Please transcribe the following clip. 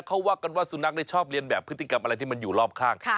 เขาว่ากันว่าสุนัขชอบเรียนแบบพฤติกรรมอะไรที่มันอยู่รอบข้าง